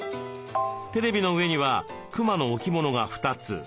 テレビの上にはクマの置物が２つ。